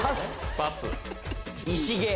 パス。